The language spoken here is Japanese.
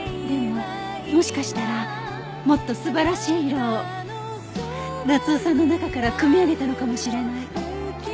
でももしかしたらもっと素晴らしい色を夏夫さんの中からくみ上げたのかもしれない。